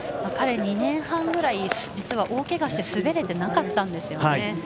彼、２年半ぐらい実は大けがをして滑れていなかったんですよね。